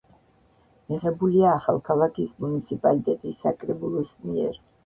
მიღებულია ახალქალაქის მუნიციპალიტეტის საკრებულოს მიერ.